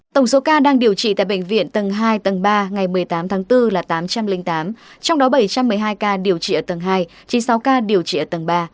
tổng số ca đang điều trị tại bệnh viện tầng hai tầng ba ngày một mươi tám tháng bốn là tám trăm linh tám trong đó bảy trăm một mươi hai ca điều trị ở tầng hai chín mươi sáu ca điều trị ở tầng ba